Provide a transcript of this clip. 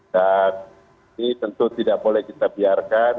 dan ini tentu tidak boleh kita biarkan